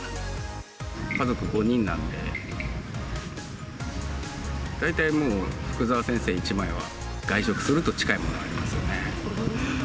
家族５人なんで、大体もう、福沢先生１枚は外食すると近いものがありますよね。